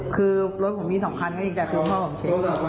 คือรถผมมีสำคัญก็จริงคือพ่อผมเช็ค